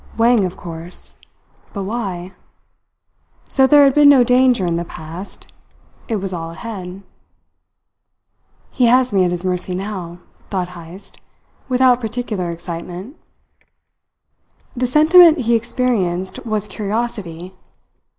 Wang, of course. But why? So there had been no danger in the past. It was all ahead. "He has me at his mercy now," thought Heyst, without particular excitement. The sentiment he experienced was curiosity.